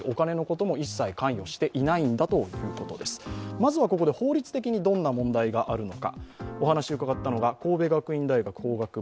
まずはここで法律的にどんな問題があるのか。